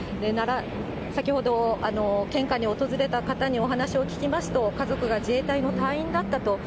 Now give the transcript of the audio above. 先ほど献花に訪れた方にお話を聞きますと、家族が自衛隊の隊員だったと。